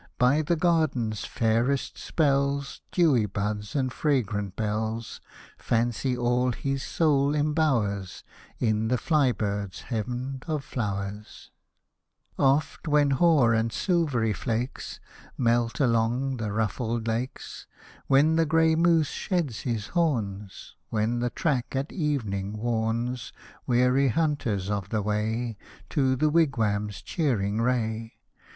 By the garden's fairest spells. Dewy buds and fragrant bells. Fancy all his soul embowers In the fly bird's heaven of flowers. Hosted by Google 104 POEMS RELATING TO AMERICA Oft, when hoar and silvery flakes Melt along the ruffled lakes, When the gray moose sheds his horns, When the track, at evening, warns Weary hunters of the way To the wigwam's cheering ray.